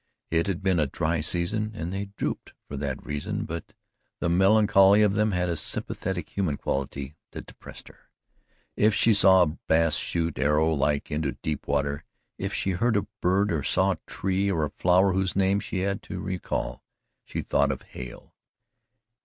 It had been a dry season and they drooped for that reason, but the melancholy of them had a sympathetic human quality that depressed her. If she saw a bass shoot arrow like into deep water, if she heard a bird or saw a tree or a flower whose name she had to recall, she thought of Hale.